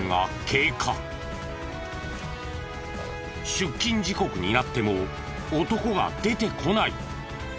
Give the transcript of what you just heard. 出勤時刻になっても男が出てこない。